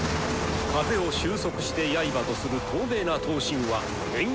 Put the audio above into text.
風を収束して刃とする透明な刀身は変幻自在。